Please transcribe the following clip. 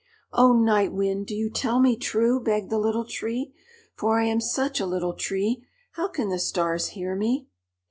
"Oh, Night Wind, do you tell me true?" begged the Little Tree. "For I am such a little tree, how can the Stars hear me?"